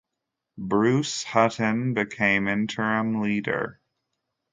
Bruce Hutton became interim leader.